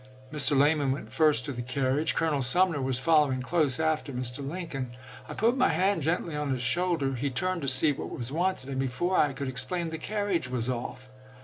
Mr. Lamon went first to the carriage ; Colonel Sumner was following close after Mr. Lincoln ; I put my hand gently on his shoulder ; he turned to see what was wanted, and before I could explain, the carriage was off.